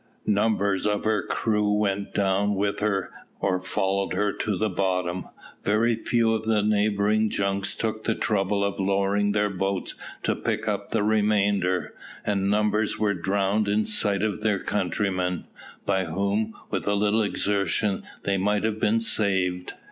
Numbers of her crew went down with her or followed her to the bottom. Very few of the neighbouring junks took the trouble of lowering their boats to pick up the remainder, and numbers were drowned in sight of their countrymen, by whom, with a little exertion, they might have been saved.